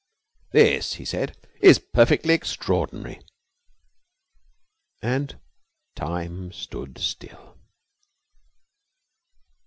'This,' he said, 'is perfectly extraordinary!' And time stood still.